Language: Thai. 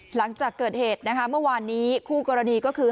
หลังจากเกิดเหตุนะคะเมื่อวานนี้คู่กรณีก็คือ